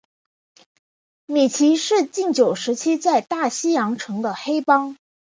米奇是禁酒时期在大西洋城的黑帮。